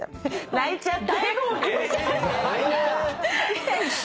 泣いちゃって。